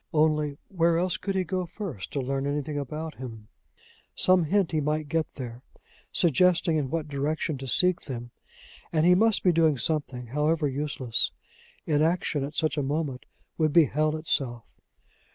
Only, where else could he go first to learn anything about him? Some hint he might there get, suggesting in what direction to seek them. And he must be doing something, however useless: inaction at such a moment would be hell itself!